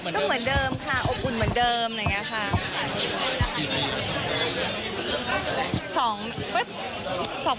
ก็เหมือนเดิมค่ะอบอุ่นเหมือนเดิมอย่างแบบนั้นนะคะ